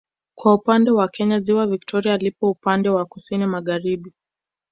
Kwa upande wa Kenya ziwa Victoria lipo upande wa kusini Magharibi